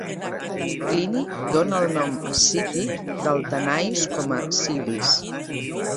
Plini dóna el nom escític del Tanais com a "Silys".